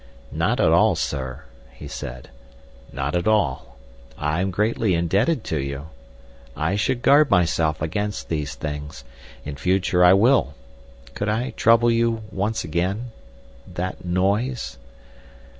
"Not at all, sir," he said, "not at all. I am greatly indebted to you. I should guard myself against these things. In future I will. Could I trouble you—once again? That noise?"